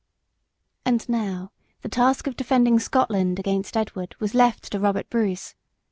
And now the task of defending Scotland against Edward was left to Robert Bruce.